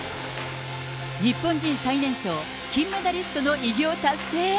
日本人最年少、金メダリストの偉業達成。